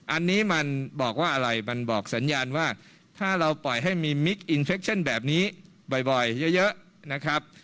อันนี้มันบอกว่าอะไรมันบอกสัญญาณว่าถ้าเราปล่อยให้มีมิคอินเฟคชั่นแบบนี้บ่อยเยอะนะครับ